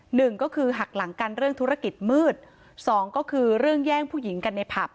หนึ่งก็คือหักหลังกันเรื่องธุรกิจมืดสองก็คือเรื่องแย่งผู้หญิงกันในผับ